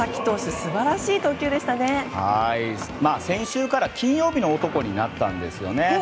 はい、先週から金曜日の男になったんですよね。